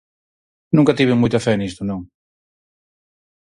Nunca tiven moita fe nisto, non.